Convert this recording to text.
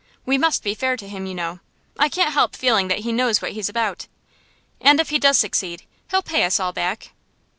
We must be fair to him, you know. I can't help feeling that he knows what he's about. And if he does succeed, he'll pay us all back.